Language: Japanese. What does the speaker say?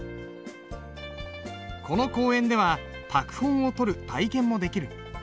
この公園では拓本をとる体験もできる。